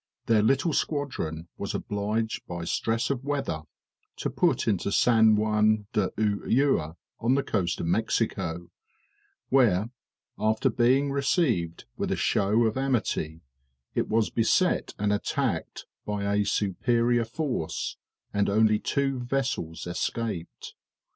Their little squadron was obliged by stress of weather to put into St. Juan de Ulloa, on the coast of Mexico; where, after being received with a show of amity, it was beset and attacked by a superior force, and only two vessels escaped.